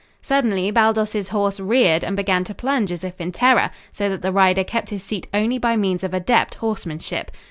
Suddenly Baldos's horse reared and began to plunge as if in terror, so that the rider kept his seat only by means of adept horsemanship.